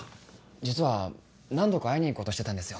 実は何度か会いに行こうとしてたんですよ。